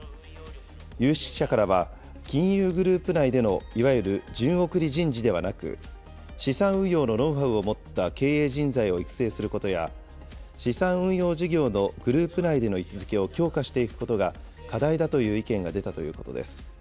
有識者からは、金融グループ内でのいわゆる順送り人事ではなく、資産運用のノウハウを持った経営人材を育成することや、資産運用事業のグループ内での位置づけを強化していくことが課題だという意見が出たということです。